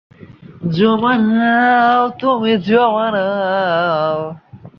এই পদে নিয়োগ লাভের আগে তিনি বিশ্ববিদ্যালয়টির উপ-উপাচার্য হিসেবে কর্মরত ছিলেন।